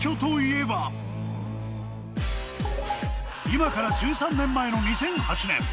今から１３年前の２００８年